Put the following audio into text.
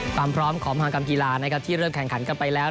ความพร้อมของบางกลางกีฬาที่เริ่มแข็งขันกันไปแล้ว